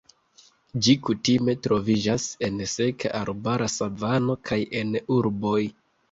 Ĝi kutime troviĝas en seka arbara savano kaj en urboj.